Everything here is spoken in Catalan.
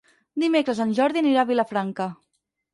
Dimecres en Jordi anirà a Vilafranca.